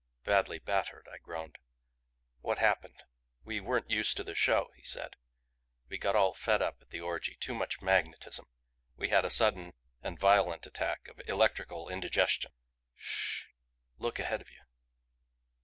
"Badly battered," I groaned. "What happened?" "We weren't used to the show," he said. "We got all fed up at the orgy. Too much magnetism we had a sudden and violent attack of electrical indigestion. Sh h look ahead of you."